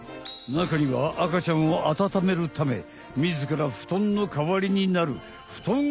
中にはあかちゃんをあたためるためみずからふとんのかわりになるふとん係もいるよ。